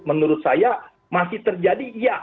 menurut saya masih terjadi iya